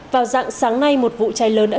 vào rạng sáng nay một vụ cháy lớn đã